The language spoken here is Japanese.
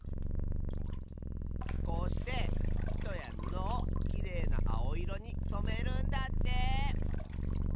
こうしていとやぬのをきれいなあおいろにそめるんだって！